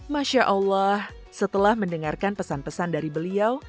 masya allah setelah mendengarkan pesan pesan dari beliau